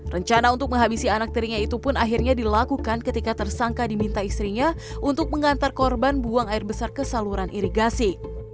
rencana untuk menghabisi anak tirinya itu pun akhirnya dilakukan ketika tersangka diminta istrinya untuk mengantar korban buang air besar ke saluran irigasi